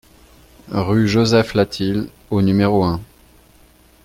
Rue Joseph Latil au numéro un